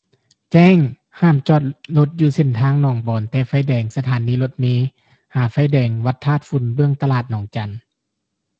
ແຈ້ງ! ຫ້າມຈອດລົດຢູ່ເສັ້ນທາງໜອງບອນແຕ່ໄຟແດງ ສະຖານນີລົດເມຫາໄຟແດງວັດທາດຝຸ່ນ ເບື້ອງຕະຫຼາດໜອງຈັນ